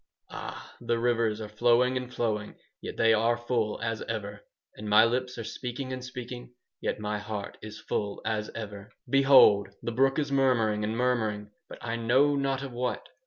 Ah! the rivers are flowing and flowing, yet they are full as ever. And my lips are speaking and speaking, yet my heart is full as ever "Behold! The brook is murmuring and murmuring, but I know not of what.